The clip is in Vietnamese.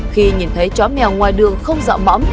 khi nhìn thấy chó mèo ngoài đường không dọa mõm